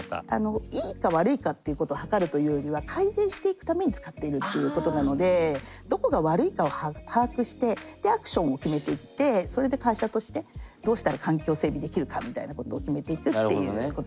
いいか悪いかっていうことを測るというよりはどこが悪いかを把握してでアクションを決めていってそれで会社としてどうしたら環境整備できるかみたいなことを決めていくっていうことですね。